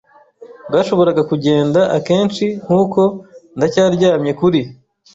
bwashoboraga kugenda. Akenshi, nkuko ndacyaryamye kuri